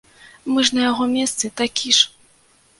Мы ж на яго месцы такі ж!